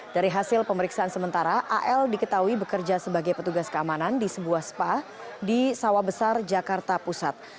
dari hasil pemeriksaan sementara al diketahui bekerja sebagai petugas keamanan di sebuah spa di sawah besar jakarta pusat